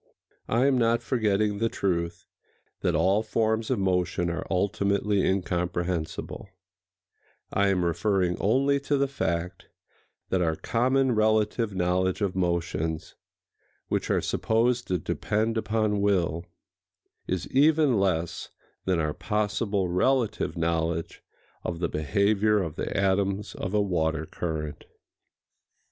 —I am not forgetting the truth that all forms of motion are ultimately incomprehensible: I am referring only to the fact that our common relative knowledge of motions, which are supposed to depend upon will, is even less than our possible relative knowledge of the behavior of the atoms of a water current.